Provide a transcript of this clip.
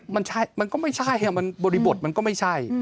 มันใช่มันก็ไม่ใช่มันบริบทมันก็ไม่ใช่